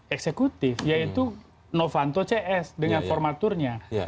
eksekutif yaitu novanto cs dengan formaturnya